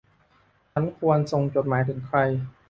ฉันควรส่งจดหมายถึงใคร